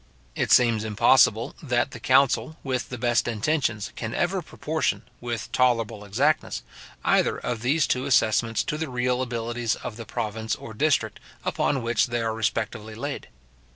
It seems impossible, that the council, with the best intentions, can ever proportion, with tolerable exactness, either of these two assessments to the real abilities of the province or district upon which they are respectively laid.